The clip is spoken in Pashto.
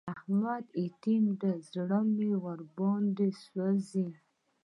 احمد يتيم دی؛ زړه مې ور باندې سوځي.